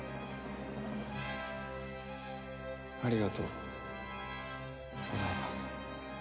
ありがとうございます。